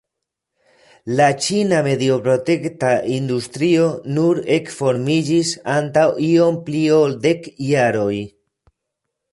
La ĉina mediprotekta industrio nur ekformiĝis antaŭ iom pli ol dek jaroj.